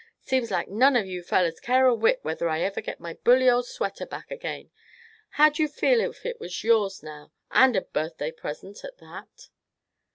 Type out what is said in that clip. Seems like none of you fellers care a whit whether I ever get my bully old sweater back again. How'd you feel if it was yours, now, and a birthday present at that?"